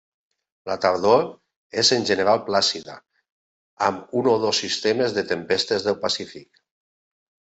La tardor és en general plàcida, amb un o dos sistemes de tempestes del Pacífic.